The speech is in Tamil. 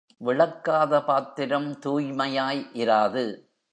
விளக்காத பாத்திரம் தூய்மையாய் இராது.